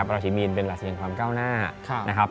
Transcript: ราศีมีนเป็นราศีที่มีความก้าวหน้า